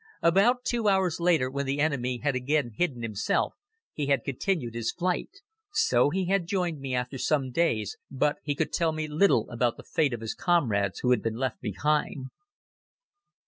About two hours later, when the enemy had again hidden himself, he had continued his flight. So he had joined me after some days, but he could tell me little about the fate of his comrades who had been left behind.